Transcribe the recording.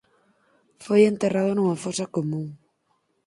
Foi enterrado nunha fosa común.